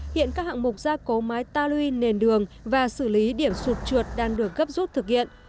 hiện các hạng mục gia cố máy taluy nền đường và xử lý điểm sụt trượt đang được gấp rút thực hiện